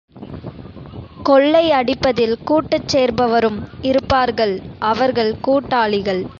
கொள்ளை அடிப்பதில் கூட்டுச் சேர்பவரும் இருப்பார்கள் அவர்கள் கூட்டாளிகள்.